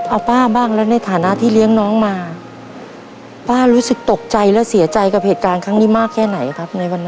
เอาป้าบ้างแล้วในฐานะที่เลี้ยงน้องมาป้ารู้สึกตกใจและเสียใจกับเหตุการณ์ครั้งนี้มากแค่ไหนครับในวันนั้น